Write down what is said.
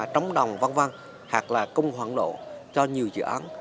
trống đồng văn văn hoặc là cung hoạn độ cho nhiều dự án